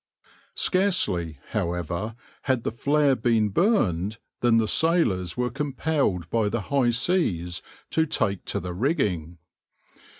Scarcely, however, had the flare been burned than the sailors were compelled by the high seas to take to the rigging.